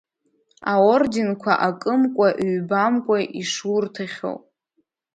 Аорденқәа акымкәа, ҩбамкәа ишурҭахьоу…